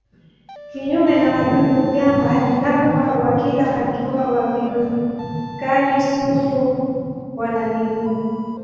Kinyume na wadudu-gamba lava wa kila hatua wa vidukari-sufu wana miguu.